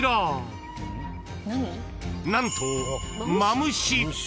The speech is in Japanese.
［何と］